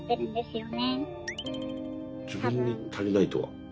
自分に足りないとは？